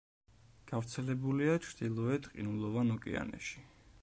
გავრცელებულია ჩრდილოეთ ყინულოვან ოკეანეში.